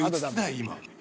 今。